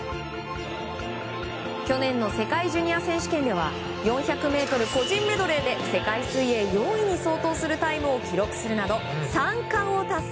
去年の世界ジュニア選手権では４００ｍ個人メドレーで世界水泳４位に相当するタイムを記録するなど３冠を達成。